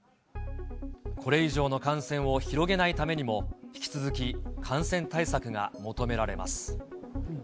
これ以上の感染を広げないためにも、引き続き、感染対策が求められます。